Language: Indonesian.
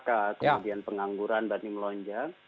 kemudian pengangguran bani melonja